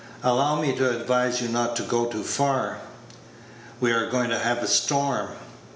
"Allow me to advise you not to go far. We are going to have a storm."